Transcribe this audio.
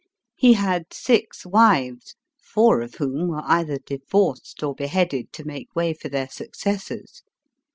He had six wives, four of whom were cither divorced or bc .1, to make way for their successors.